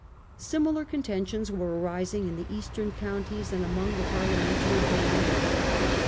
Similar contentions were arising in the eastern counties and among the Parliamentary commanders.